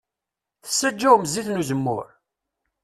Tessaǧawem zzit n uzemmur?